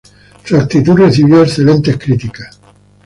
Su actuación recibió excelentes críticas.